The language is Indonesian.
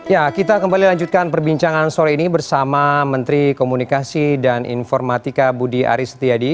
ya kita kembali lanjutkan perbincangan sore ini bersama menteri komunikasi dan informatika budi aris setiadi